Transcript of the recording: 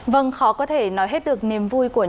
vâng khó có thể nói hết được niềm vui của